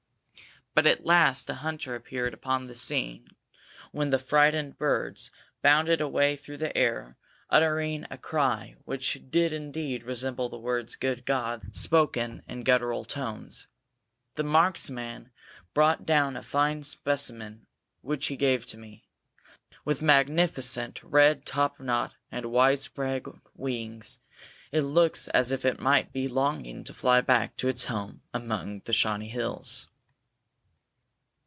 But at last a hunter appeared upon the scene when the frightened birds bounded away through the air uttering a cry which did indeed resemble the words "Good God," spoken in gutteral tones. The marksman brought down a fine specimen, which he gave to me. With magnificent red top knot and wide spread wings it looks as if it might be longing to fly back to its home among the Shawnee Hills.